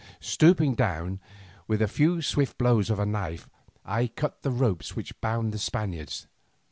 Stooping down, with a few swift blows of a knife I cut the ropes which bound the Spaniards.